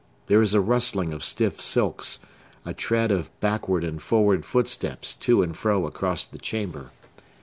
There is a rustling of stiff silks; a tread of backward and forward footsteps to and fro across the chamber.